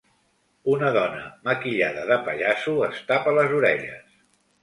Una dona maquillada de pallasso es tapa les orelles.